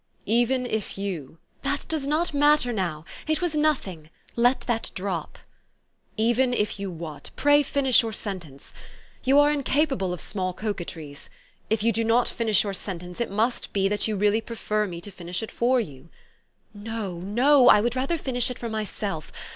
"Even if you" "That does not matter now. It was nothing. Let that drop." " Even if you what ? Pray finish your sentence. You are incapable of small coquetries. If you do not finish your sentence, it must be that you really prefer me to finish it for you." "No, no! I would rather finish it for myself.